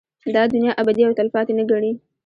دا دنيا ابدي او تلپاتې نه گڼي